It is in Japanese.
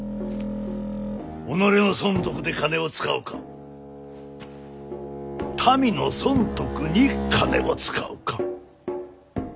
己の損得で金を使うか民の損得に金を使うか。